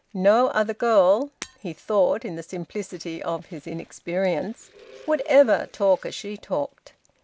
No other girl (he thought, in the simplicity of his inexperience) would ever talk as she talked.